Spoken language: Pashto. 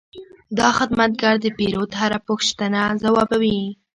دا خدمتګر د پیرود هره پوښتنه ځوابوي.